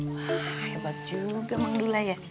wah hebat juga mang dula ya